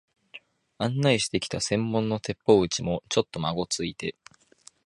案内してきた専門の鉄砲打ちも、ちょっとまごついて、